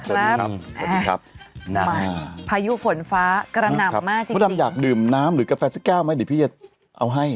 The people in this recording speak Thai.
สวัสดีครับภายุฝนฟ้ากระหนับมากจริงอยากดื่มน้ำหรือกาแฟสักแก้วไหม